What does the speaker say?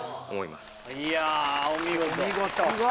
いやお見事！